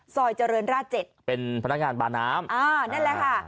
ซอยเจริญราช๗เป็นพนักงานบาน้ำอ่านั่นแหละค่ะ